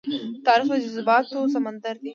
تاریخ د جذباتو سمندر دی.